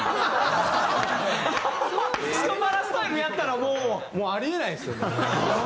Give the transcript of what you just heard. スカパラスタイルやったらもう。あり得ないですよ。